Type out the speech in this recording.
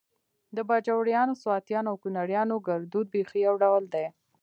د باجوړیانو، سواتیانو او کونړیانو ګړدود بیخي يو ډول دی